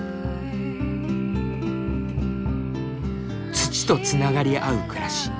土とつながり合う暮らし。